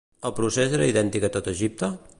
El procés era idèntic a tot Egipte?